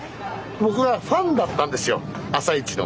僕はファンだったんですよ朝市の。